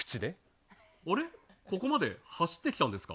あれ、ここまで走ってきたんですか？